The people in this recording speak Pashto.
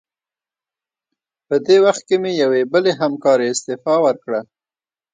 په دې وخت کې مې یوې بلې همکارې استعفا ورکړه.